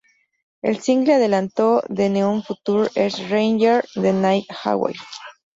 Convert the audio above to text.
El single adelanto de Neon Future es "Rage The Night Away".